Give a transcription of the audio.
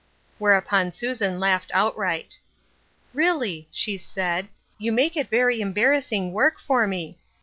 Whereupon Susan laughed outright. " Really," she said, " you make it very embar rassing work for me.